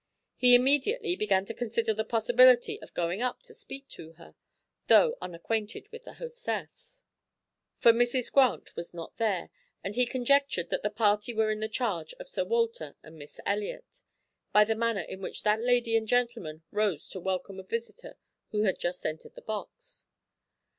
He immediately began to consider the possibility of going up to speak to her, although unacquainted with the hostess, for Mrs. Grant was not there, and he conjectured that the party were in the charge of Sir Walter and Miss Elliot, by the manner in which that lady and gentleman rose to welcome a visitor who had just entered the box.